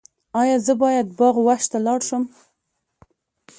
ایا زه باید باغ وحش ته لاړ شم؟